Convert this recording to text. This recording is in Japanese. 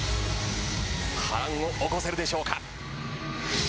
波瀾を起こせるでしょうか。